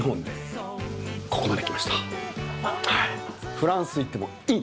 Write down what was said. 「フランス行ってもいいんですか？